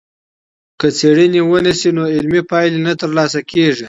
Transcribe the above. که څېړنه ونسي، نو علمي پايلې نه ترلاسه کيږي.